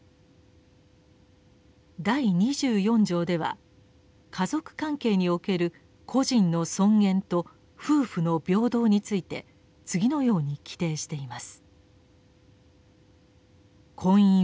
第二十四条では「家族関係における個人の尊厳と夫婦の平等」について次のように規定しています。